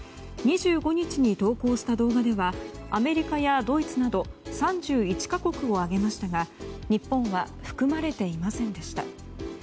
２５日に投稿した動画ではアメリカやドイツなど３１か国を挙げましたが日本は含まれていませんでした。